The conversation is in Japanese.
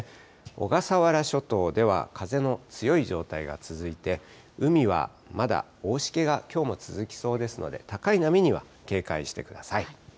小笠原諸島では風の強い状態が続いて、海はまだ大しけがきょうも続きそうですので、高い波には警戒してください。